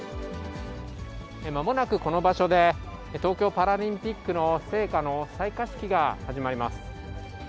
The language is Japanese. まもなくこの場所で、東京パラリンピックの聖火の採火式が始まります。